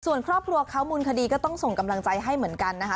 ส่วนครอบครัวเขามูลคดีก็ต้องส่งกำลังใจให้เหมือนกันนะคะ